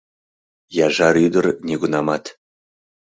Яжар ӱдыр нигунамат